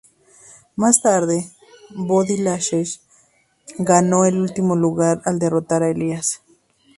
Más tarde, Bobby Lashley ganó el último lugar al derrotar a Elias.